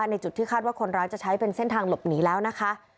ในจุดที่คาดว่าคนร้ายจะใช้เป็นเส้นทางหลบหนีแล้วนะคะ